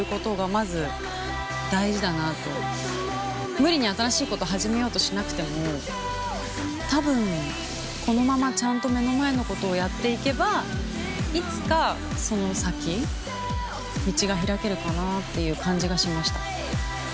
無理に新しいこと始めようとしなくても多分このままちゃんと目の前のことをやっていけばいつかその先道が開けるかなっていう感じがしました。